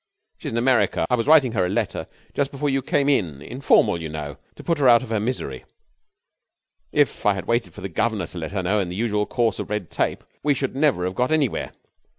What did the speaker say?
'She's in America. I was writing her a letter just before you came in informal, you know, to put her out of her misery. If I had waited for the governor to let her know in the usual course of red tape we should never have got anywhere.